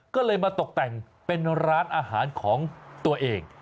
ก็เลยมาตกแต่งเป็นร้านอาหารของตัวเอง